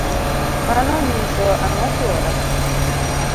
mano onyiso ang'o chuora?